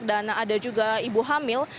dan ada juga ibu hamil